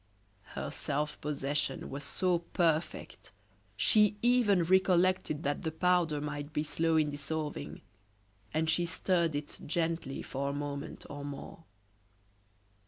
Her self possession was so perfect, she even recollected that the powder might be slow in dissolving, and she stirred it gently for a moment or more.